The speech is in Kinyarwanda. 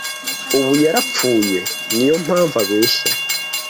'Ubu yarapfuye! Ni yo mpamvu abeshya